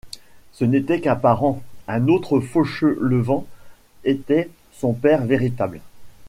Ce n’était qu’un parent ; un autre Fauchelevent était son père véritable.